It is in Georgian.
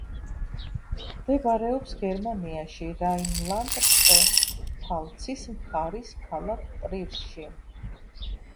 მდებარეობს გერმანიაში, რაინლანდ-პფალცის მხარის ქალაქ ტრირში.